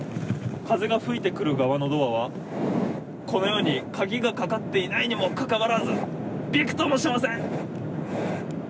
風が吹いてくる側のドアは、このように、鍵がかかっていないにもかかわらず、びくともしません。